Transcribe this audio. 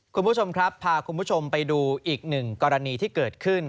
คุณผู้ชมครับพาคุณผู้ชมไปดูอีกหนึ่งกรณีที่เกิดขึ้น